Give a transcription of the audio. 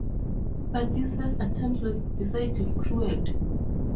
But these first attempts were decidedly crude.